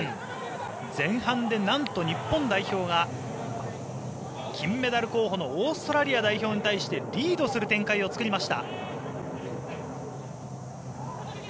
前半でなんと日本代表が金メダル候補のオーストラリア代表に対してリードする展開を作りました。